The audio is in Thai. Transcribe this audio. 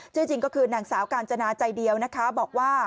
จริงก็คือนางสาวกาญจนาใจเดียวนะคะบอกว่า